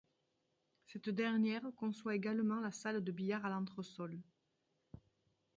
Cette dernière conçoit également la salle de billard à l'entresol.